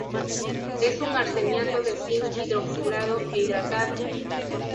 Es un arseniato de cinc hidroxilado e hidratado.